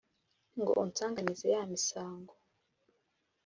ngo unsanganize ya misango